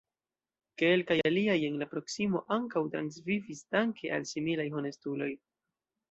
Kelkaj aliaj en la proksimo ankaŭ transvivis danke al similaj honestuloj.